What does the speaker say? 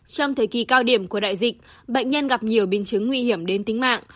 trong thời kỳ cao điểm của đại dịch bệnh nhân gặp nhiều biến chứng nguy hiểm đến tính mạng